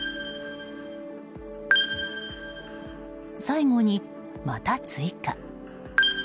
最後にまた追加。